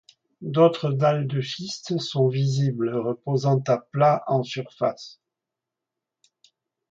D'autres dalles de schiste sont visibles reposant à plat en surface.